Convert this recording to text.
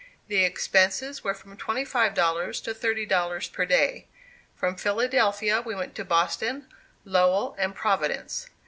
The expenses were from twenty five dollars to thirty dollars per day. From Philadelphia we went to Boston, Lowell, and Providence.